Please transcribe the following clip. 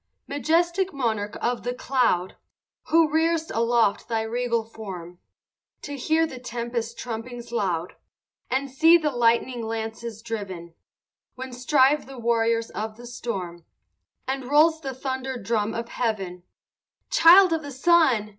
II Majestic monarch of the cloud! Who rear'st aloft thy regal form, To hear the tempest trumpings loud, And see the lightning lances driven, When strive the warriors of the storm, And rolls the thunder drum of heaven Child of the sun!